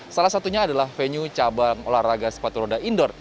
salah satunya adalah venue cabang olahraga sepatu roda indoor